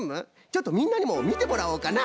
ちょっとみんなにもみてもらおうかな。